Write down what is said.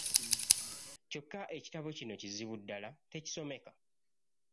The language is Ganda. Kyokka ekitabo kino kizibu ddala, tekisomeka.